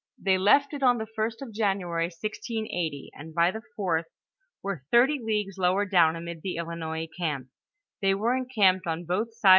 They left it on the let of January, 1680, and ty the 4th, were thirty leagues lower down amid the Ilinois camp ; they were encamped on both aid .